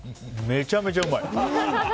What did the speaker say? めちゃめちゃうまい！